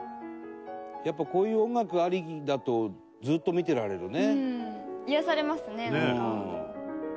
「やっぱこういう音楽ありきだとずっと見てられるね」